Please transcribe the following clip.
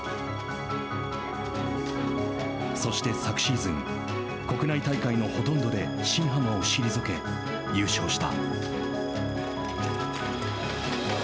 そして、昨シーズン国内大会のほとんどで新濱を退け優勝した。